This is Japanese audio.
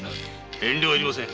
遠慮いりません。